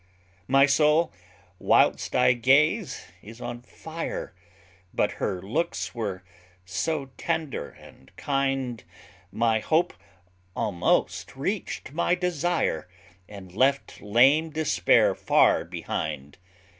My soul, whilst I gaze, is on fire: But her looks were so tender and kind, My hope almost reach'd my desire, And left lame despair far behind.